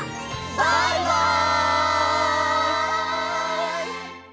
バイバイ！